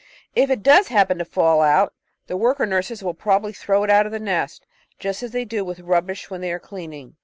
If it does happen to fall out, the worker nurses will probably throw it out of the nest, just as they do with rubbish when they are cleaning.